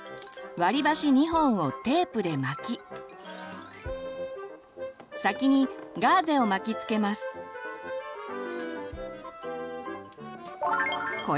割り箸２本をテープで巻き先にガーゼを巻きつけます。